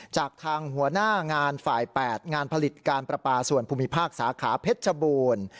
จากทางหัวหน้างานฝ่าย๘งานผลิตการประปาส่วนภูมิภาคสาขาเพชรชบูรณ์